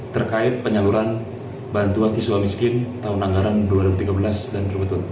terkait penyaluran bantuan siswa miskin tahun anggaran dua ribu tiga belas dan dua ribu dua belas